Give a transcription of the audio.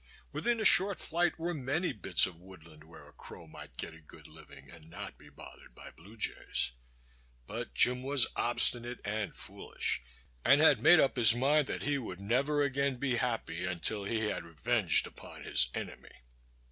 Within a short flight were many bits of woodland where a crow might get a good living and not be bothered by blue jays. But Jim was obstinate and foolish, and had made up his mind that he never would again be happy until he had been revenged upon his enemy.